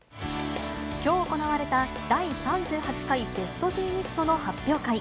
きょう行われた第３８回ベストジーニストの発表会。